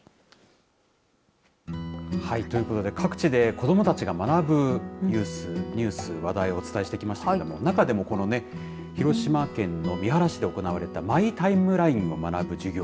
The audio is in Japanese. はいということで各地で子どもたちが学ぶニュース、話題をお伝えしてきましたけども中でもこの広島県の三原市で行われたマイタイムラインの学ぶ授業